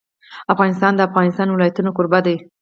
افغانستان د د افغانستان ولايتونه کوربه دی.